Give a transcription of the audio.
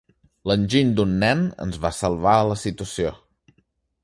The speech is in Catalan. L'enginy d'un nen ens va salvar la situació.